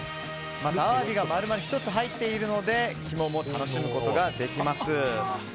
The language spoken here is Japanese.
またアワビが丸々１つ入っているので肝も楽しむことができます。